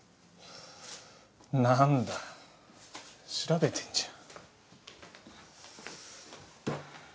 なんだ調べてんじゃん。